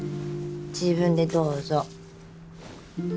自分でどうぞ。